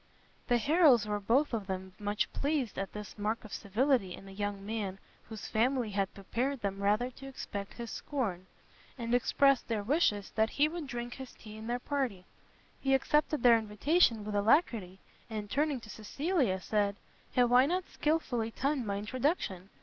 The Harrels were both of them much pleased at this mark of civility in a young man whose family had prepared them rather to expect his scorn, and expressed their wishes that he would drink his tea in their party; he accepted their invitation with alacrity, and turning to Cecilia, said, "Have I not skilfully timed my introduction!